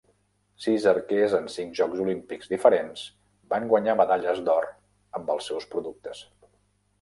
Sis arquers en cinc Jocs Olímpics diferents van guanyar medalles d'or amb els seus productes.